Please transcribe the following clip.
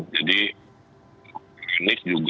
jadi ini juga